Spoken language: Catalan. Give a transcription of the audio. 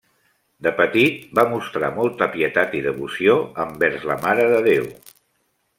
De petit va mostrar molta pietat i devoció envers la Mare de Déu.